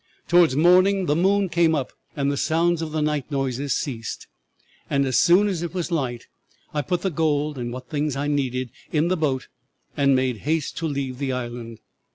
Towards morning the moon came up and the sounds of the night noises ceased, and as soon as it was light I put the gold and what things I needed in the boat and made haste to leave the island.